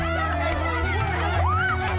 tidak jangan angin